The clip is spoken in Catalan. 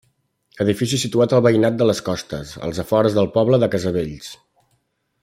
Edifici situat al veïnat de les Costes, als afores del poble de Casavells.